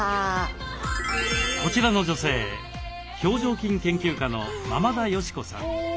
こちらの女性表情筋研究家の間々田佳子さん。